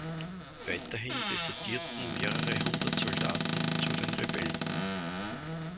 Weiterhin desertierten mehrere hundert Soldaten zu den Rebellen.